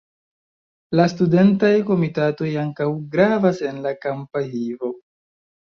La studentaj komitatoj ankaŭ gravas en la kampa vivo.